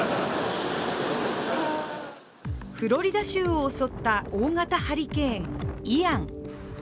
フロリダ州を襲った大型ハリケーン・イアン。